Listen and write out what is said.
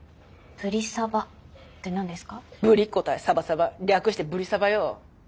ブリっ子対サバサバ略して「ブリサバ」よ！